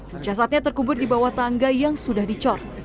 pencasatnya terkubur di bawah tangga yang sudah dicor